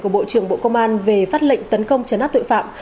của bộ trưởng bộ công an về phát lệnh tấn công chấn áp tội phạm